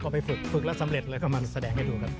พอไปฝึกฝึกแล้วสำเร็จเลยก็มาแสดงให้ดูครับ